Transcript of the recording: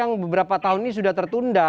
yang beberapa tahun ini sudah tertunda